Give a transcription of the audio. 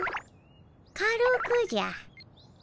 軽くじゃ。